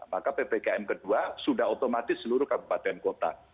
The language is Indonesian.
maka ppkm kedua sudah otomatis seluruh kabupaten kota